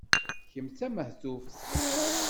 Kemm d tamehtuft!